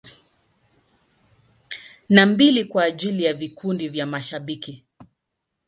Na mbili kwa ajili ya vikundi vya mashabiki.